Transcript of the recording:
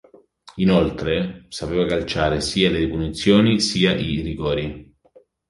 Inoltre, sapeva calciare sia le punizioni sia i rigori.